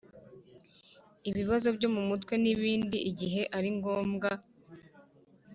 ibibazo byo mu mutwe n’ibindi igihe ari ngomb-wa,